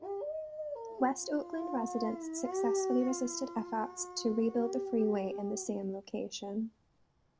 West Oakland residents successfully resisted efforts to rebuild the freeway in the same location.